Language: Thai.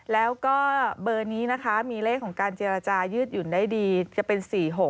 แล้วก็เบอร์นี้นะคะมีเลขของการเจรจายืดหยุ่นได้ดีจะเป็น๔๖